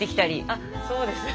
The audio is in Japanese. あそうですよね。